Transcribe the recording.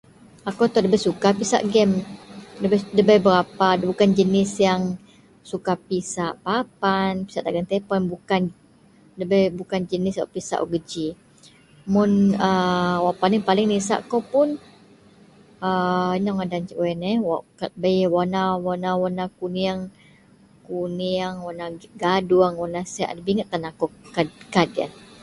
Aku ito jenis wak debai suka pisak game lagi pun aku bukan jenis memaksa lo yian tutui games no BKS.